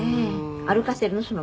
「歩かせるの？